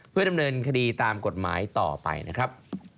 เพื่อดำเนินคดีตามกฎหมายต่อไปนะครับ